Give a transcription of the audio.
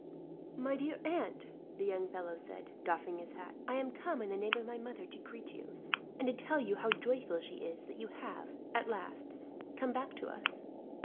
"My dear aunt," the young fellow said, doffing his cap, "I am come in the name of my mother to greet you, and to tell you how joyful she is that you have, at last, come back to us.